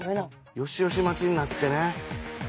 よしよし待ちになってね。